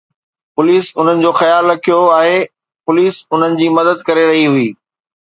police انهن جو خيال رکيو آهي، پوليس انهن جي مدد ڪري رهي هئي